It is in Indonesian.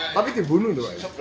tapi dibunuh pak